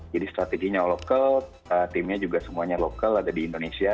jadi strateginya lokal timnya juga semuanya lokal ada di indonesia